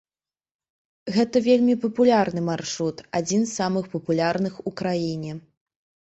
Гэта вельмі папулярны маршрут, адзін з самых папулярных у краіне.